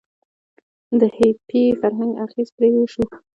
د هیپي فرهنګ اغیز پرې وشو.